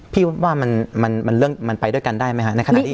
พี่ว่ามันมันมันเรื่องมันไปด้วยกันได้ไหมคะ